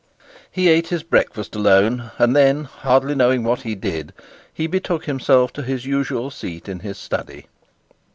He ate his breakfast alone, and then, hardly knowing what he did, he betook himself to his usual seat in his study.